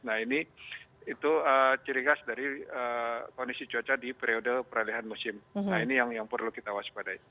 nah ini itu ciri khas dari kondisi cuaca di periode peralihan musim nah ini yang perlu kita waspadai